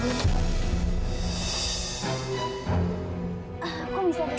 bapak saya pingsan di rumah pak